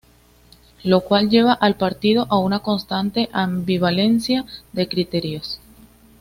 Lo cual lleva al partido a una constante ambivalencia de criterios.